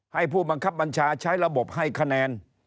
ผู้บังคับบัญชาใช้ระบบให้คะแนน